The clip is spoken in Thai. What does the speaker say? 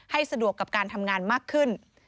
สะดวกกับการทำงานมากขึ้น